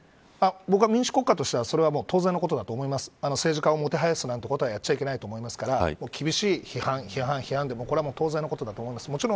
僕は、民主国家としては当然のことだと思いますが政治家をもてはやすことはやっちゃいけないと思いますから厳しい批判でこれは当然のことだと思います。